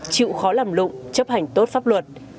chịu khó làm lụng chấp hành tốt pháp luật